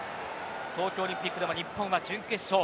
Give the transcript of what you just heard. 東京オリンピックでも日本は準決勝